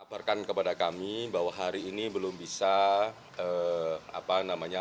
abarkan kepada kami bahwa hari ini belum bisa